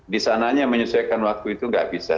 di sananya menyesuaikan waktu itu nggak bisa